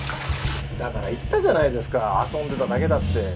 だから言ったじゃないですか遊んでただけだって。